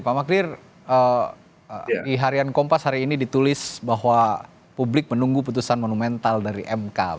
pak magdir di harian kompas hari ini ditulis bahwa publik menunggu putusan monumental dari mk